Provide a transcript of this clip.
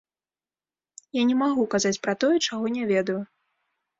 Я не магу казаць пра тое, чаго не ведаю.